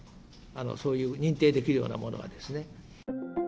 そういう認定できるようなものはですね。